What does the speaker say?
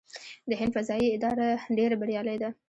د هند فضايي اداره ډیره بریالۍ ده.